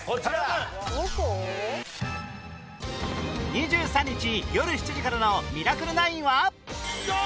２３日よる７時からの『ミラクル９』は